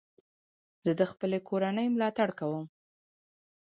زه د خپلي کورنۍ ملاتړ کوم.